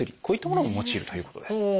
こういったものも用いるということです。